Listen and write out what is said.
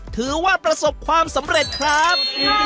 ถือว่าประสบความสำเร็จครับ